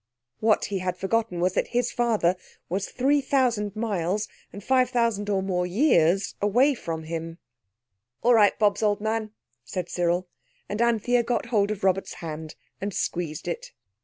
What he had forgotten was that his father was 3,000 miles and 5,000 or more years away from him. "All right, Bobs, old man," said Cyril; and Anthea got hold of Robert's hand and squeezed it.